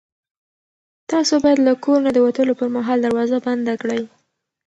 تاسو باید له کور نه د وتلو پر مهال دروازه بنده کړئ.